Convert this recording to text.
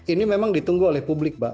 ini memang ditunggu oleh publik mbak